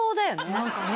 何かね